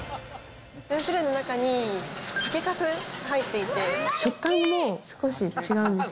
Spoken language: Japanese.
味噌汁の中に酒粕入っていて、食感も少し違うんです。